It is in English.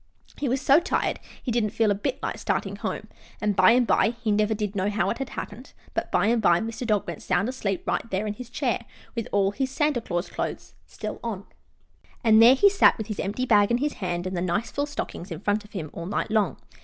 He was so tired he didn't feel a bit like starting home, and by and by he never did know how it happened but by and by Mr. Dog went sound asleep right there in his chair, with all his Santa Claus clothes on. And there he sat, with his empty bag in his hand and the nice full stockings in front of him, all night long.